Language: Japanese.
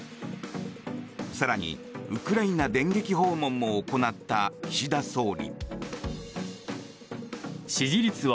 更に、ウクライナ電撃訪問も行った岸田総理。